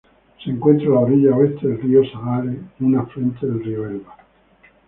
Se encuentra a la orilla oeste del río Saale, un afluente del río Elba.